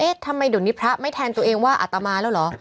ทำไมเดี๋ยวนี้พระไม่แทนตัวเองว่าอัตมาแล้วเหรอ